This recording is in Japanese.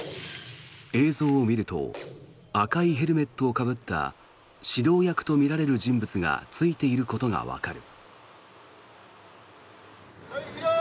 映像を見ると赤いヘルメットをかぶった指導役とみられる人物がついていることがわかる。